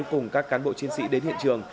cùng các cán bộ chiến sĩ đến hiện trường